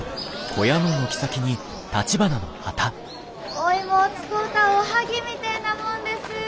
お芋を使うたおはぎみてえなもんです。